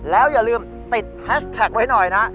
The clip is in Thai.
แล้วอย่าลืมติดแฮชแท็กไว้หน่อยนะ